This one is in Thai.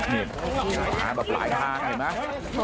นี่มาแบบหลายทางเห็นไหม